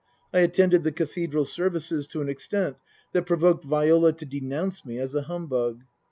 I attended the Cathedral services to an extent that provoked Viola to denounce me as a humbug.